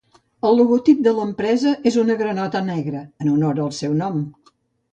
El logotip de l'empresa és una granota negra, en honor al seu nom.